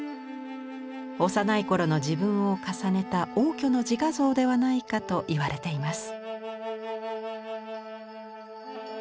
幼い頃の自分を重ねた応挙の自画像ではないかと言われています。